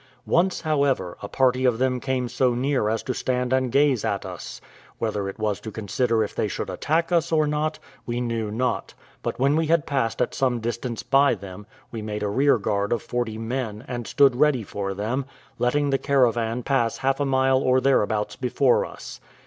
Once, however, a party of them came so near as to stand and gaze at us. Whether it was to consider if they should attack us or not, we knew not; but when we had passed at some distance by them, we made a rear guard of forty men, and stood ready for them, letting the caravan pass half a mile or thereabouts before us.